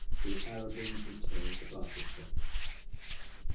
THE ARABINS RETURN TO BARCHESTER.